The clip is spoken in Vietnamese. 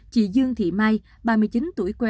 chị dương thị mai ba mươi chín tuổi quê